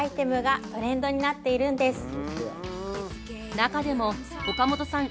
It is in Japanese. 中でも岡本さん